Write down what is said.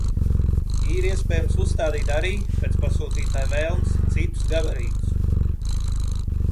Ir iespējams uzstādīt arī, pēc pasūtītāja vēlmes, citus gabarītus.